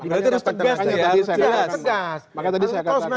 berarti harus tegas ya